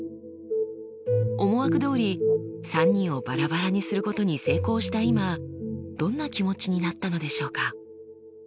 思惑どおり３人をバラバラにすることに成功した今どんな気持ちになったのでしょうか？